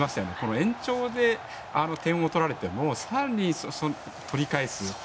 延長で点を取られても更に取り返す。